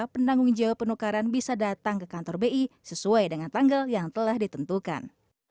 penanggung jawab penukaran bisa datang ke kantor bi sesuai dengan tanggal yang telah ditentukan